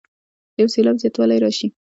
د یو سېلاب زیاتوالی راشي.